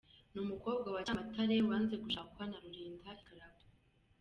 Ni umukobwa wa Cyamatare wanze gushakwa na Rulinda i Karagwe.